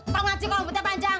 kok ngaji kalau putih panjang